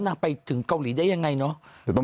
ไปถึงเกาหลีได้ยังไงเนอะ